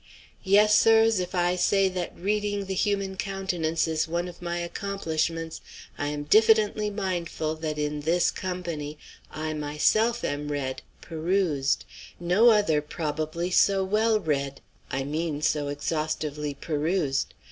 Yes, sirs, if I say that reading the human countenance is one of my accomplishments, I am diffidently mindful that in this company, I, myself, am read, perused; no other probably so well read I mean so exhaustively perused.